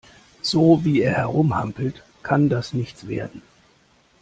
So, wie er herumhampelt, kann das nichts werden.